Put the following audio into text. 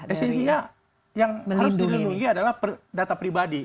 esensinya yang harus dilindungi adalah data pribadi